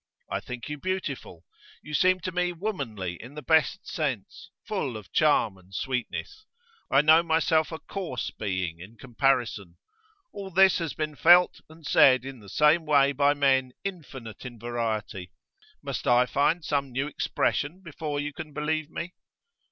I think you beautiful, you seem to me womanly in the best sense, full of charm and sweetness. I know myself a coarse being in comparison. All this has been felt and said in the same way by men infinite in variety. Must I find some new expression before you can believe me?